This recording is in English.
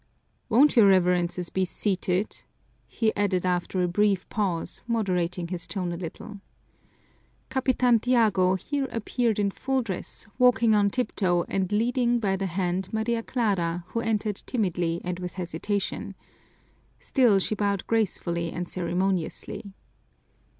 "Won't your Reverences be seated?" he added after a brief pause, moderating his tone a little. Capitan Tiago here appeared in full dress, walking on tiptoe and leading by the hand Maria Clara, who entered timidly and with hesitation. Still she bowed gracefully and ceremoniously.